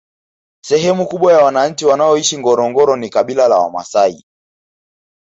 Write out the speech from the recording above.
Sehemu kubwa ya wananchi wanaoishi ngorongoro ni kabila la wamaasai